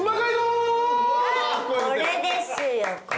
これですよこれ。